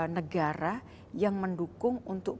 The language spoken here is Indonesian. negara yang mendukung untuk